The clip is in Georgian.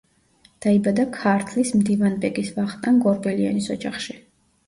დაიბადა ქართლის მდივანბეგის ვახტანგ ორბელიანის ოჯახში.